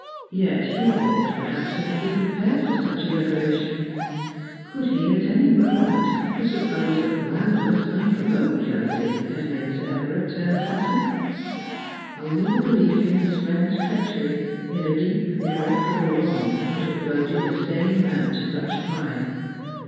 Yet he ought, perhaps, to have been prepared for such a revelation. Could he, at any 236 Just as I Am. moment, have supposed that groundless, unprovoked jealousy had made Sir Everard turn assassin ? Only the belief in his friend's treachery, in a deep, irreparable wrong, could have goaded a sane man to such a crime.